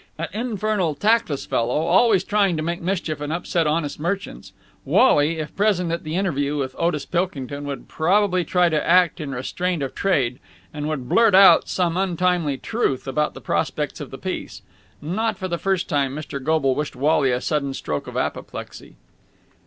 An infernal, tactless fellow, always trying to make mischief and upset honest merchants, Wally, if present at the interview with Otis Pilkington, would probably try to act in restraint of trade and would blurt out some untimely truth about the prospects of the piece. Not for the first time, Mr. Goble wished Wally a sudden stroke of apoplexy.